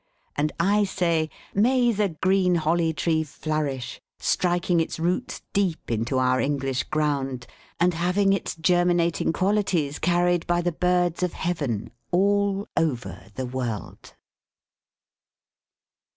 And I say, May the green Holly Tree flourish, striking its roots deep into our English ground, and having its germinating qualities carried by the birds of Heaven all over the world!